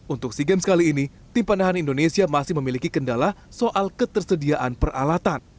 untuk sea games kali ini tim panahan indonesia masih memiliki kendala soal ketersediaan peralatan